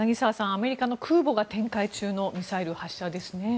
アメリカの空母が展開中のミサイル発射ですね。